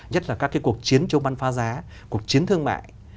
nhất là các cái cuộc chiến chống bán phá giá cuộc chiến thương mại